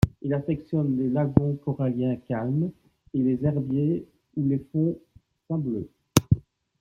Il affectionne les lagons coralliens calmes, et les herbiers ou les fonds sableux.